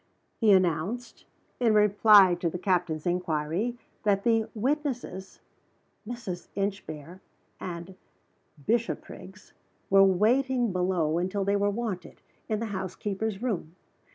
He announced, in reply to the captain's inquiry, that the witnesses (Mrs. Inchbare and Bishopriggs) were waiting below until they were wanted, in the housekeeper's room.